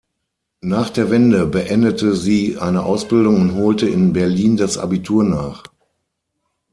Nach der Wende beendete sie eine Ausbildung und holte in Berlin das Abitur nach.